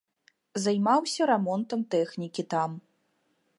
Займаўся рамонтам тэхнікі там.